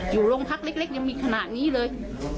อยู่โรงพักเล็กยังมีขนาดนี้เลย